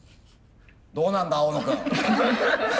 どうなんだ青野君。